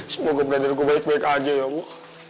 semoga berada di gua baik baik aja ya allah